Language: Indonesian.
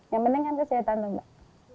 yang penting kan kesehatan tuh mbak